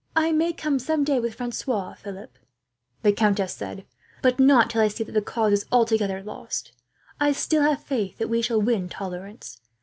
"I may come some day with Francois, Philip," the countess said, "but not till I see that the cause is altogether lost. Still I have faith that we shall win tolerance.